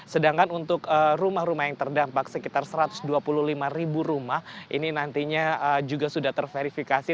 sedangkan untuk rumah rumah yang terdampak sekitar satu ratus dua puluh lima ribu rumah ini nantinya juga sudah terverifikasi